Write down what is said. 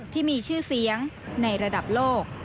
ที่มีชื่อเสียงในระดับโลก